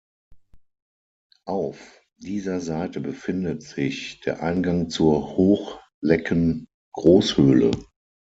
Auf dieser Seite befindet sich der Eingang zur Hochlecken-Großhöhle.